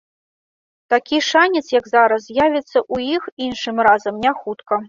Такі шанец, як зараз, з'явіцца ў іх іншым разам не хутка.